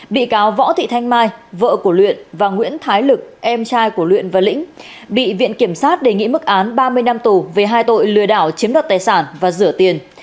bị cáo võ thị thanh mai vợ của luyện và nguyễn thái lực em trai của luyện và lĩnh bị viện kiểm sát đề nghị mức án ba mươi năm tù về hai tội lừa đảo chiếm đoạt tài sản và rửa tiền